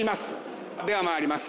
では参ります。